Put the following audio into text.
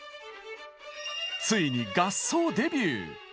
ついに合奏デビュー！